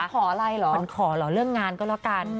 ขออะไรเหรอขวัญขอเหรอเรื่องงานก็แล้วกัน